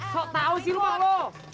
kok tau sih lu mah lu